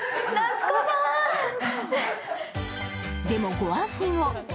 でもご安心を。